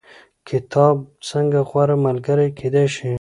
کتاب څنګه غوره ملګری کیدی شي؟